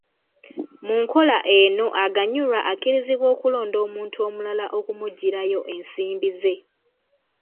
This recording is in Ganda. Mu nkola eno aganyulwa akkirizibwa okulonda omuntu omulala okumuggyirayo ensimbi ze.